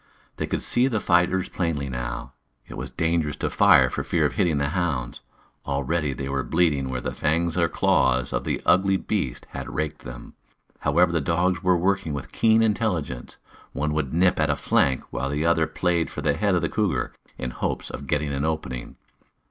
They could see the fighters plainly now. It was dangerous to fire for fear of hitting the hounds. Already they were bleeding where the fangs or claws of the ugly beast had raked them. However, the dogs were working with keen intelligence. One would nip at a flank while the other played for the head of the cougar, in hopes of getting an opening.